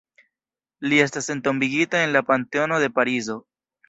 Li estas entombigita en la Panteono de Parizo.